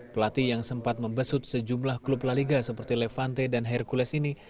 pelatih yang sempat membesut sejumlah klub la liga seperti levante dan hercules ini